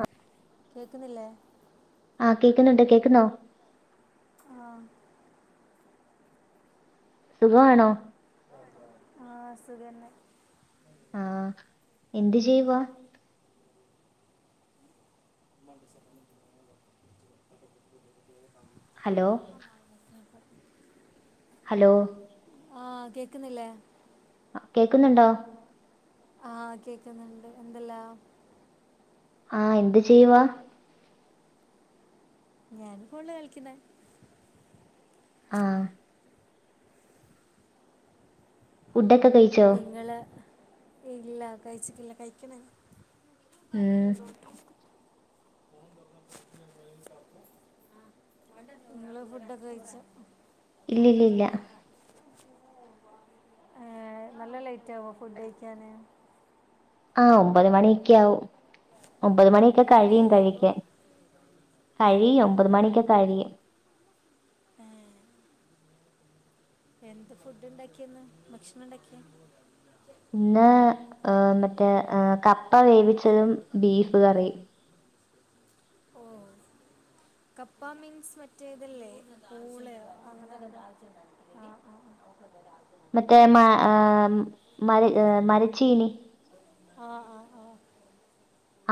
അഹ് കേക്ക്ന്നില്ലേ? ആ കേക്ക്ന്ന്ണ്ട്. കേക്ക്ന്നോ? ആഹ് സുഖാണോ? ആ സുഖന്നെ. ആഹ് എന്ത് ചെയ്യുവാ? ഹലോ ഹലോ ആഹ് കേക്ക്ന്നില്ലേ? കേക്ക്ന്നുണ്ടോ? ആഹ് കേക്ക്ന്നുണ്ട്. എന്തല്ലാ? ആഹ് എന്ത് ചെയ്യുവാ? ഞാന് ഫോൺല് കളിക്ക്ന്ന്. ആഹ് ഫുഡൊക് ഇങ്ങള് ഇല്ല കഴിച്ചിക്കില്ല. കഴിക്കണ ഉം ഇങ്ങള് ഫുഡൊക്കെ കഴിച്ചോ? ഇല്ലില്ലില്ല ഏഹ് നല്ല ലേറ്റാവോ ഫുഡ്ഡഴിക്കാന്? ആഹ് ഒമ്പത് മണിയൊക്കെയാവും. ഒമ്പത് മണിയൊക്കെ കഴിയും മൂന്നായില്ലേ ഇപ്പോൾ കഴിക്കാൻ. ഓ കഴിയും ഒമ്പത് മണിക്കെ കഴിയും. ഏഹ് എന്ത് ഫുഡ്ണ്ടാക്കിയെ ഇന്ന്? ഭക്ഷണണ്ടാക്കിയെ? ഇന്ന് ഈഹ് മറ്റേ ഈഹ് കപ്പ വേവിച്ചതും ബീഫ് കറി ഓഹ്. കപ്പാ മീൻസ് മറ്റേ ഇതല്ലേ, പൂളയോ അങ്ങനെ എന്തോ? മറ്റേ മ ആഹ് മര മരച്ചീനി അ ആ ആ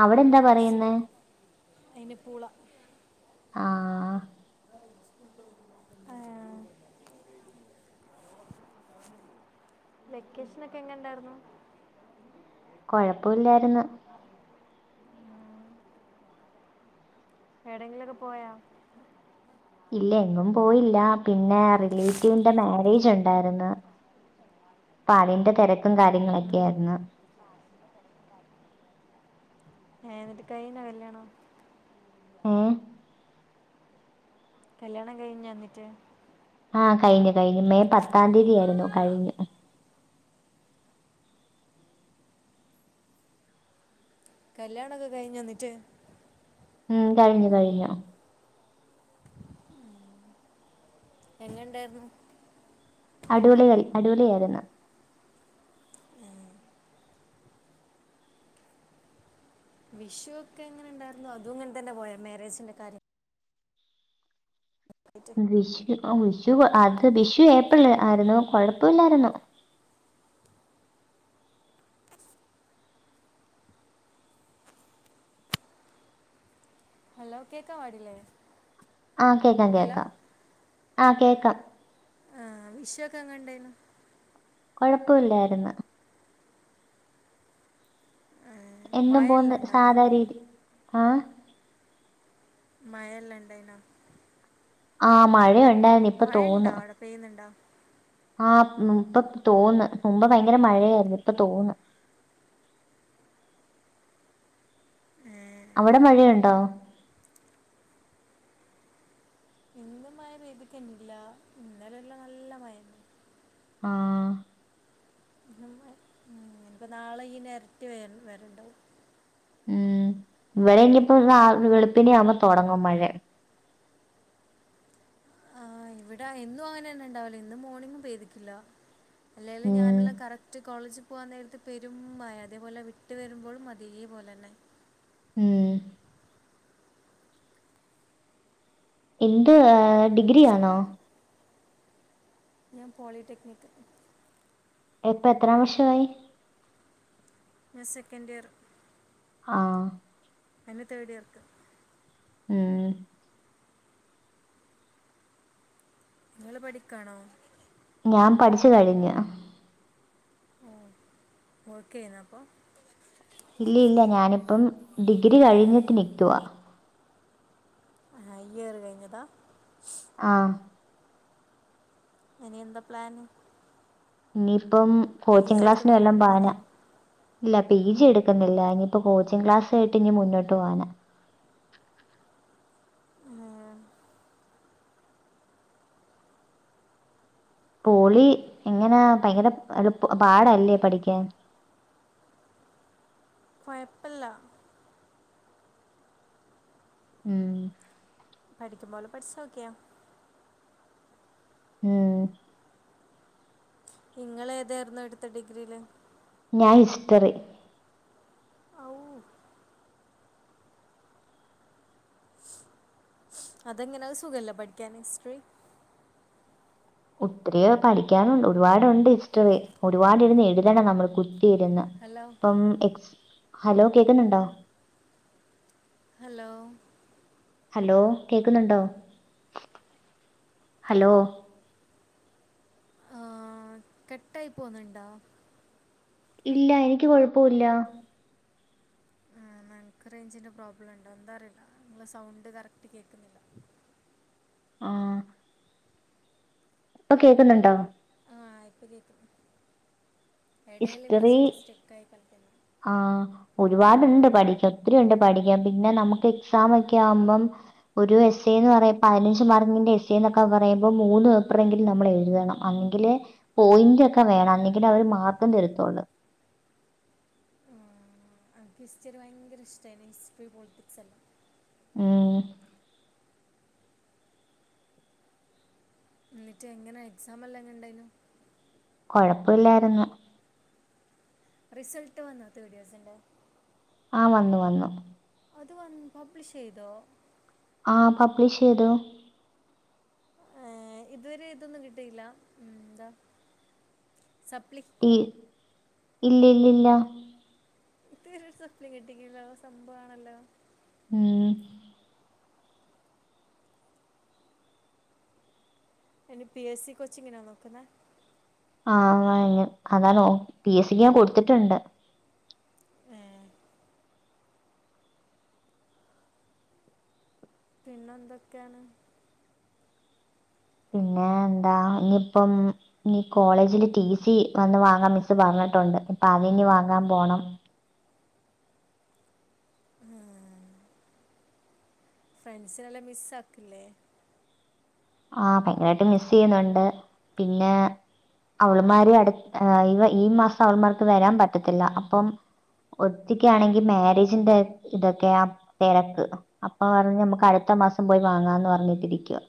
അവിടെ എന്താ പറയ്ന്നേ? അയ്ന് പൂള ആഹ് ആഹ് വെക്കേഷനൊക്കെ എങ്ങനെണ്ടായിരുന്നു? കൊഴപ്പില്ലായിരുന്നു. ഏടെങ്കിലൊക്കെ പോയാ? ഇല്ല എങ്ങും പോയില്ല. പിന്നെ റിലേറ്റീവിന്റെ മാരേജുണ്ടായിരുന്നു. പ്പതിന്റെ തെരക് ക്കും കാര്യങ്ങളൊക്കെ ഉം. ആയിര്ന്ന്. ഏ ന്നിട്ട് കൈഞ്ഞോ കല്യാണം മ് കല്യാണം കഴിഞ്ഞ ന്നിറ്റ് ആഹ് കഴിഞ്ഞു കഴിഞ്ഞു മെയ് പത്താം തീയതി ആയിരുന്നു കഴിഞ്ഞു. കല്യാണൊക്കെ കഴിഞ്ഞന്നിറ്റ് മ് കഴിഞ്ഞു കഴിഞ്ഞു എങ്ങെ ണ്ടായിര്ന്നു അടിപൊളി കൽ അടിപൊളിയായിരുന്നു വിഷു ഒക്കെ എങ്ങനെ ണ്ടായിര്ന്നു അതും ങ്ങനെ തന്നെ പോയ മാരേജിന്റെ കാര്യം ആയിട്ട് വിഷ് ആ വിഷു അത് വിഷു ഏപ്രിൽ ആര്ന്നു കൊഴപ്പ ഇല്ലാര്ന്നു. ഹലോ കേക്കാ പാടില്ലേ ആ കേക്കാം ഹലോ കേക്കാം ആ കേക്കാം ആ വിഷൊക്കെ എങ്ങനെ ഇണ്ടായിരുന്നു. കൊഴപ്പവില്ലായിര്ന്നു ഏ, എന്നും മഴ എല്ലാം പോവ്ന്ന് ഉണ്ടാടാ സാധാ രീതി ആ മഴയെല്ലാം ഇണ്ടെയ്നോ? ആ മഴയൊൺ മഴണ്ടോ അവ്ടെ പെയ്യ്ന്ന്ണ്ടോ? ആ മ് ഇപ്പ തോന്ന് മുമ്പ് ഭയങ്കര മഴയായ്ര്ന്ന് ഇപ്പ തോന്നാ ഉം അവിടെ മഴയുണ്ടോ ഇന്നും മഴ പെയ്ത്ക്കെന്നെഇല്ല ഇന്നലെല്ലാം നല്ല മഴന്നെ ആ ഇന്നും മഴ ഉം ഇഞ്‌പ്പം നാളെ ഇയ്യ്ന്റെ എര്ട്ടി വെ വെര്ണ്ടാവും ഉം ഇവടെ ഇഞ്ഞ്പ്പം നാ വെളുപ്പിനെ ആവ്മ്പേ തൊടങ്ങും മഴ ആ ഇവിടെ എന്നും അങ്ങനെയെന്നെ ഇണ്ടാവല് ഇന്ന് മോർണിങ്ങും പേയ്തിട്ടില്ല അല്ലെല് ഉം ഞാന്ള്ള കറക്റ്റ് കോളേജ് പോവാനേരത്ത് പെരുംമഴ അതേപോലെ വിട്ട് വരുമ്പോളും അതെ പോലെന്നെ മ് എന്ത് ആ ഡിഗ്രി ആണോ ഞാ പോളിടെക്നിക്ക് ഇപ്പ എത്രാം വർഷവായി സെക്കന്റ് ഇയർ ആ എന്ന് തേർഡ് ഇയർക്ക് മ് ങ്ങൾ പഠിക്കാണോ ഞാൻ പഠിച്ച് കഴിഞ്ഞു ഓ വർക്ക് ചെയ്യ്ണോപ്പം ഇല്ല ഇല്ല ഞാനിപ്പം ഡിഗ്രി കഴിഞ്ഞിട്ട് നിക്കുവാ ഈ ഇയറ് കയിഞ്ഞതാ ആ ഇനി എന്താപ്ലാന്? നിർ പ്പം കോച്ചിങ് ക്ലാസ്സിന് വല്ലം മുന്നോട്ട് പാവനാ പോകുന്നതാണോ ഇല്ല പി ജി എട്ക്ക്ന്നില്ല ഇനിയിപ്പോ കോച്ചിങ് ക്ലാസ്സുയേറ്റ് ഇഞ്ഞ് മുന്നോട്ട് പോനം പോളി എങ്ങനാ ഭയങ്കര അത് പാടാല്ലേ പഠിക്കാൻ കൊയപ്പല്ല. ഉം പഠിക്കുമ്പോലെ പഠിച്ചോക്യേ ഉം ഇങ്ങളേതേര്ന്നെട്ത്ത ഡിഗ്രിയില്? ഞാൻ ഹിസ്റ്ററി. ഔ അതെങ്ങനെ അത് സുഖല്ലെ പഠിക്കാൻ ഹിസ്ട്രി? ഒത്തിരിയോ പഠിക്കാനുണ്ട് ഒരുപാടുണ്ട് ഹിസ്റ്ററി ഒരുപാടിരുന്നെഴുതണം നമ്മള് കു തിരുന്ന് ഹലോ പ്പം എക്സ് ഹലോ കേക്ക്ന്ന്ണ്ടോ? ഹലോ? ഹലോ കേക്ക്ന്ന്ണ്ടോ ഹലോ? ആ കെട്ടായി പോന്ന്ണ്ടാേ? ഇല്ല എനിക്ക് കൊഴപ്പൂല്ല ആ ഇന്നൻക്ക് റേഞ്ചിന്റെ പ്രോബ്ലണ്ടോ എന്താ അറീല്ല നിങ്ങെളെ സൗണ്ട് കറക്റ്റ് കേക്ക്ന്നില്ല. ആഹ് ഇപ്പ കേക്കുന്നുണ്ടോ? ആ യിപ്പകേക്ക്ന്ന് എടേല് ഹിസ്റ്ററി വെച്ചിട്ട് സ്റ്റെക്കായി കളിക്കുന്നു. ഒരുപാട്ണ്ട് പഠിക്കാൻ, ഒത്തിരി ഉണ്ട് പഠിക്കൻ. പിന്നെ നമ്ക്ക് എക്സാമൊക്കെ ആവുമ്പം ഒരു എസ് ഏന്ന് പറയെ പതിനഞ്ച് മാർക്കിന്റെ എസ് എന്നൊക്കെ പറയുമ്പോ മൂന്ന് പേപ്പറെങ്കിൽ നമ്മൾ എഴുതണം. അന്നങ്കിലേ പോയിന്റ് ഒക്കെ വേണം അല്ലെങ്കിലവര് മാർ കെന്റെരു തൊര അൻക്ക് ഹിസ്റ്ററി ഭയങ്കര ഇഷ്ടേയ്നു ഹിസ്റ്ററി പോളിറ്റിക്സെല്ലാം. ഉം. ന്നിട്ട് എങ്ങനാ എക്സാമെല്ലാം എങ്ങനെണ്ടായ്നു? കൊഴപ്പുല്ലാര്ന്നു റിസൾട്ട് വന്നോ തേർഡ് യിയേർസിന്റെ? ആഹ വന്നു വന്നു അത് വന്ന് പബ്ലിഷ് ചെയ്തോ? ആഹ് പബ്ലിഷ് ചെയ്തു ഏ ഇതുവരെ ഇതൊന്നും കിട്ടിയില്ല ഉം എന്താ സപ്ലി ഈ ഇല്ല ഇല്ല ഇല്ല ഇതുവരെ ഒരു സപ്ലി കിട്ടില്ല സംമ്പാണല്ലോ ഉം ഇനി പി എസ് സി കോച്ചിങ്നാ നോക്കുന്നെ. ആഹ വ അതിന് അതാണൊപി എസ് സി ക്ക് ഞാൻ കൊടുത്തിട്ടുണ്ട് പിന്നെ എന്തൊക്കെയാണ് പിന്നെ എന്താ ഇനിയിപ്പം ഇനി കോളേജില് ടി സി വന്ന് വാങ്ങാൻ മിസ്സ് പറഞ്ഞിട്ടുണ്ട് ഇപ്പൊ അത് ഇനി വാങ്ങാൻ പോണം. ഫ്രണ്ട്സിനെല്ലാം മിസ്സാക്ക്ണിലെ ആ ഭയങ്കരമായിട്ട് മിസ്സ് ചെയ്യുന്നുണ്ട് പിന്നെ അവൾമാര് അടുത്ത ഈ മാസം അവൾമാർക്ക് വരാൻ പറ്റത്തില്ല അപ്പം ഒരുത്തികാണെകിൽ മാരേജിന്റെ ഇതൊക്കെയാ തിരക്ക് അപ്പൊ പറഞ്ഞു നമ്മുക്ക് അടുത്ത മാസം പോയി വാങ്ങാന്ന് പറഞ്ഞിട്ടിരിക്കുവാ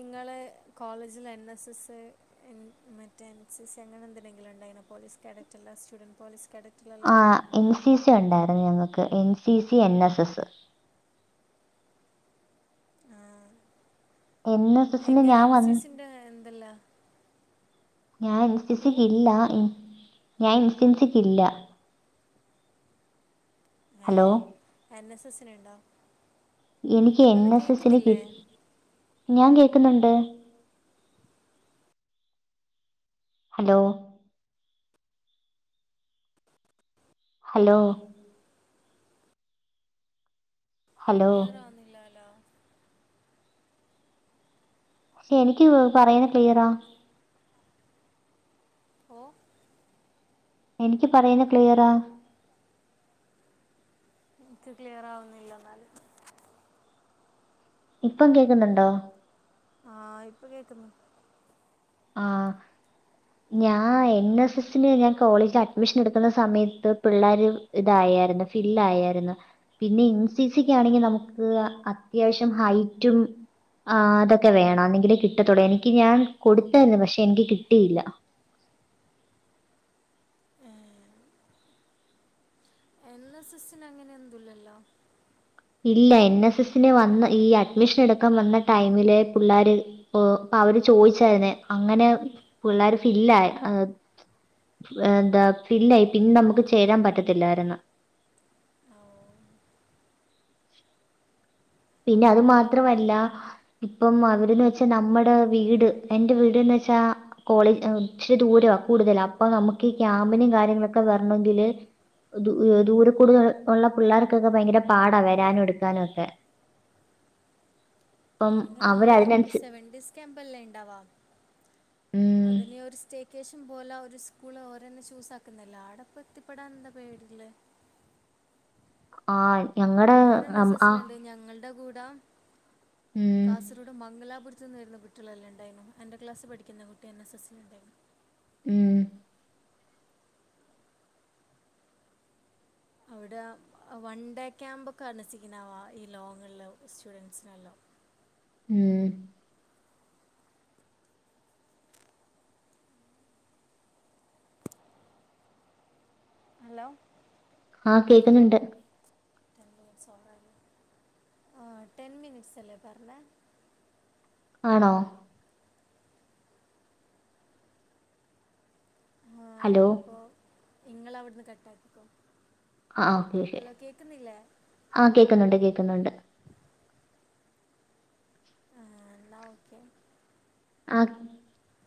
ഇങ്ങള് കോളേജിൽ എൻ എസ് എസ് മറ്റേ എൻ സി സി അങ്ങനെ എന്തെങ്കിലും ഉണ്ടായിരുന്നോ പോലീസ് കഡക്റ്റ അല്ല സ്റ്റുഡന്റ് പോലീസ് കണ്ടക്റ ആ എൻ സി സി ഒണ്ടാ ഞങ്ങക്ക് N C C N S S N S എസിന് എങ്ങനെ ഞാൻ എൻ സി വന്ന് സി ന്റെ എന്തല്ലാ ഞാൻ ൻ സി സി ക്കില്ല ഞാൻ ൻ സി സിക്ക് ഇല്ല ഹലോ സിന്ണ്ടോ എനിക്ക് എൻ എസ് എസ് സിനി കിട് ഞാൻ കേ ക്കുന്നുണ്ട് ഹലോ ഹലോ ഹലോ ക്ലിയറാകുന്നില്ലേലൊ പക്ഷെ എനിക്ക് പറയുന്ന ക്ലിയറാ ഓ എനിക്ക് പറയുന്ന ക്ലിയറാ എനിക്ക് ക്ലിയർ ആവുന്നില്ല എന്നാല് ഇപ്പം കേക്കുന്നുണ്ടോ ആഹ ഇപ്പൊ കേക്കുന്നു ആ ഞാൻ എൻ എസ് എസിന് ഞാൻ കോളേജിൽ അഡ്മിഷൻ എടുക്കുന്ന സമയത്ത് പിള്ളേര് ഇതായാരുന്നു ഫില്ലായാരുന്നു പിന്നെ എൻ സി സിക്ക് ആണെങ്കിൽ നമുക്ക് അത്യാവശ്യം ഹൈറ്റും അതൊക്കെ വേണം ന്നെങ്കിലെ കിട്ടത്തോടെ എനിക്ക് ഞാൻ കൊട് ര്ന്നു പക്ഷെ എനിക്ക് കിട്ടിയില്ല എൻ എസ് എസ് ന് അങ്ങനെന്തുല്ലല്ലോ ഇല്ല എൻ എസ് എസ് ന് വന്ന ഈ അഡ്മിഷൻ എടുക്കാൻ വന്ന ടൈമില് പിള്ളേര് പോ അവര് ചോയിച്ചേനെ അങ്ങനെ പിള്ളേർ ഫില്ലായി ആ ന്താ ഫില്ലായി പിന്നെ നമുക്ക് ചേരാൻ പറ്റത്തില്ലായിരുന്നു ഓ പിന്നെ അത് മാത്രമല്ല ഇപ്പം അവര്ന്ന് വെച്ചാ നമ്മടെ വീട് എന്റെ വീട്ന്ന് വെച്ചാ കോളേജ് ത്തിരി ദൂര കൂടുതല അപ്പൊ നമുക്ക് ഈ ക്യാമ്പിനും കാര്യങ്ങളൊക്കെ വരണമെങ്കില് ദൂരെ കൂടുതൽ ഉള്ള പിള്ളേർക്കൊക്കെ ഭയങ്കര പാടാ വരാനും എടുക്കാനും ഒക്കെ അപ്പം അങ്ങെ നമ്മള് അവരതിനനുസ സെവൻ ഡേയ്സ് ക്യാമ്പല്ലെണ്ടാവാ ഉം അതിനെ ഒരു സ്റ്റേ ക്കേഷം പോല ഒരു സ്കൂള് ഓരോന്നെ ചൂസാക്കുന്നല്ല ആടപ്പത്തിപ്പെടാനെന്താ പേടിളേ ആ ഞങ്ങടെ ഞാൻ എൻ എസ് ആ എസ്സിലുണ്ട് ഞങ്ങളുടെ കൂടെ ത ഉം കാസരോട് മംഗലാപുര അ നേരുന്ന കുട്ടളെല്ലാം ഉണ്ടായിരുന്നു എൻ്റെ ക്ലാസ്ൽ പഠിക്കുന്ന കുട്ടി എൻ എസ് എസ് സ ഉണ്ടായിരുന്നു ഉം അവിടെ വൺ ഡേ ക്യാമ്പ ഒക്കെ അന്നസിക്കുന്നാവ ഈ ലോങ്ങിലോ സ്റ്റുഡന്റ്സിനെല്ലോ ഉം ഹലോ ആഹ കേക്കുന്നുണ്ട് [unintelligible] ഓ ആ ടെൻ മിനിറ്റ്സ്ല്ലേ പറഞ്ഞണ ആണോ ഹലോ നിങ്ങളവിടന്ന് കട്ടാക്കിക്കോ ആ ഓക്കെ ഹലോ കേൾക്കുന്നില്ലേ ആ കേക്കുന്നുണ്ട് കേ ക്ക് ന്നൊണ്ട് എല്ലാം ഓക്കെ [inaudible]